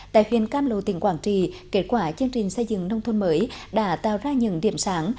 tại huyện cam lô tỉnh quảng trì kết quả chương trình xây dựng nông thôn mới đã tạo ra những điểm sáng